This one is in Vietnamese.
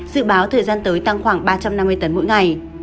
dự báo thời gian tới tăng khoảng ba trăm năm mươi tấn mỗi ngày